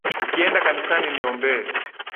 Ukienda kanisani niombee.